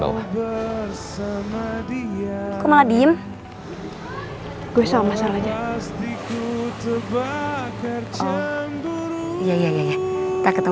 papa selalu memikirkan kamu